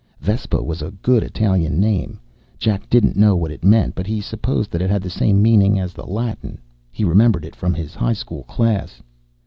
Vespa was a good Italian name. Jack didn't know what it meant, but he supposed that it had the same meaning as the Latin. He remembered it from his high school class.